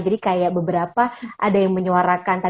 jadi kayak beberapa ada yang menyuarakan